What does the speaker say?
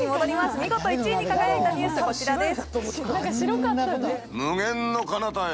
見事１位に輝いたニュースはこちらです。